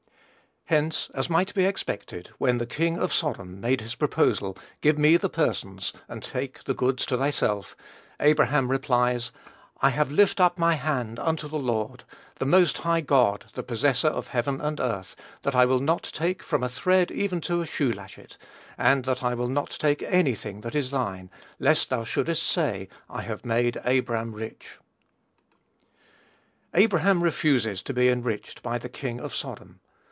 Hence, as might be expected, when the king of Sodom made his proposal, "Give me the persons and take the goods to thyself," Abraham replies, "I have lift up my hand unto the Lord, the most high God, the possessor of heaven and earth, that I will not take from a thread even to a shoelatchet, and that I will not take any thing that is thine, lest thou shouldest say, I have made Abram rich." Abraham refuses to be enriched by the king of Sodom.